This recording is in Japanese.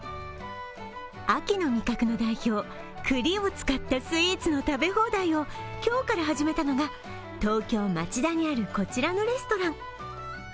秋の味覚の代表、栗を使ったスイーツの食べ放題を今日から始めたのが東京・町田にあるこちらのレストラン。